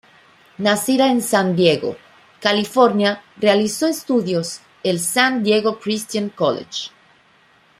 Nacida en San Diego, California realizó estudios el San Diego Christian College.